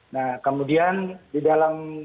nah kemudian di dalam